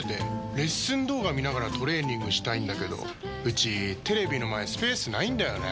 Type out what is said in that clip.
レッスン動画見ながらトレーニングしたいんだけどうちテレビの前スペースないんだよねー。